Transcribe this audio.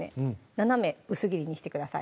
斜め薄切りにしてください